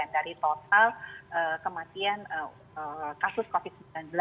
dari total kematian kasus covid sembilan belas